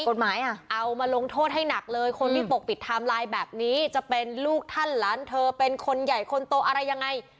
กฎหมายอ่ะเอามาลงโทษให้หนักเลยคนที่ปกปิดไทม์ไลน์แบบนี้จะเป็นลูกท่านหลานเธอเป็นคนใหญ่คนโตอะไรยังไง